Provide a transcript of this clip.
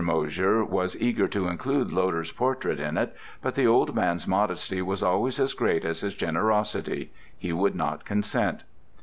Mosher was eager to include Loder's portrait in it, but the old man's modesty was always as great as his generosity: he would not consent.